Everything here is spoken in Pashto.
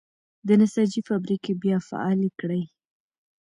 د نساجۍ فابریکې بیا فعالې کړئ.